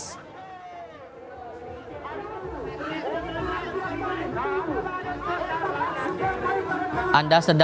melihat di radio hijab sebagai per ancaman dari anda